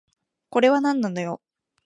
これはなんなのよ